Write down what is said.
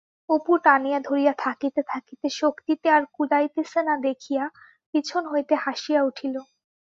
অপু টানিয়া ধরিয়া থাকিতে থাকিতে শক্তিতে আর কুলাইতেছে না দেখিয়া পিছন হইতে হাসিয়া উঠিল।